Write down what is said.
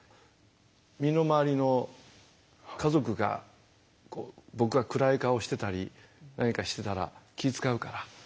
身の回りの家族が僕が暗い顔してたり何かしてたら気ぃ遣うから。